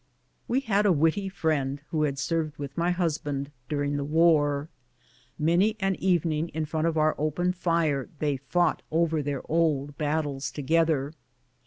We had a witty friend who had served with my bus GENERAL CUSTER'S LIBRARY. 179 band during the war. Many an evening in front of our open fire they fought over their old battles together.